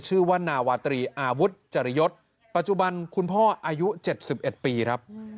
ชื่อว่านาวาตรีอาวุธจริยศปัจจุบันคุณพ่ออายุ๗๑ปีครับ